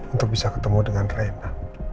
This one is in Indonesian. untuk bisa ketemu dengan reina